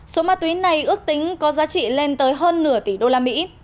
số ma túy này ước tính có giá trị lên tới hơn nửa tỷ đô la mỹ